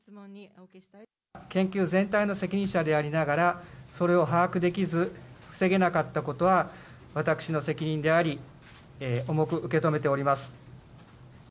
研究全体の責任者でありながら、それを把握できず、防げなかったことは、私の責任であり、重く受け止めております。